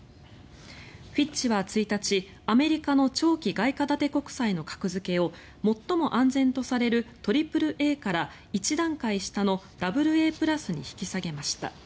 フィッチは１日、アメリカの長期外貨建て国債の格付けを最も安全とされるＡＡＡから１段階下のＡＡ＋に引き下げました。